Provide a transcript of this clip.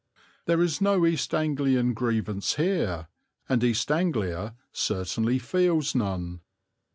There is no East Anglian grievance here, and East Anglia certainly feels none.